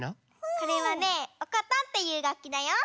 これはねおことっていうがっきだよ。